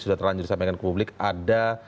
sudah terlanjur disampaikan ke publik ada